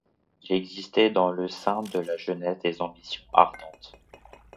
Il existait dans le sein de la jeunesse des ambitions ardentes.